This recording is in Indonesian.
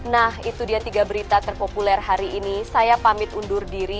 nah itu dia tiga berita terpukul di jatim